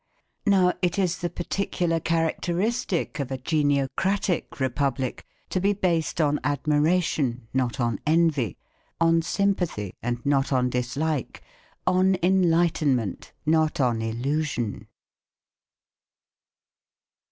Now it is the particular characteristic of a "Geniocratic" Republic to be based on admiration, not on envy, on sympathy, and not on dislike on enlightenment, not on illusion.